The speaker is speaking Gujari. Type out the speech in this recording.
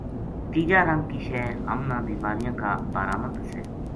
تیجا رنگ کی شے ہم نا بیماریاں کا بارہ ما دسے۔